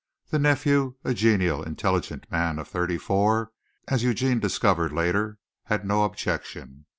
The nephew, a genial, intelligent man of thirty four, as Eugene discovered later, had no objection.